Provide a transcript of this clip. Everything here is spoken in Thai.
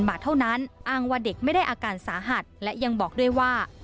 บาทเท่านั้นอ้างว่าเด็กไม่ได้อาการสาหัสและยังบอกด้วยว่า